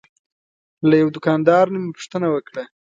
له یوه دوکاندار نه مې پوښتنه وکړه.